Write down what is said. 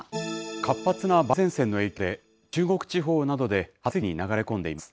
活発な梅雨前線の影響で、中国地方などで発達した雨雲が次々に流れ込んでいます。